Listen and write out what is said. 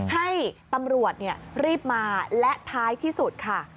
ให้ตำรวจรีบมาและท้ายที่สุดค่ะ